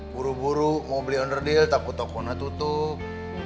buru buru mau beli onerdil takut toko na tutup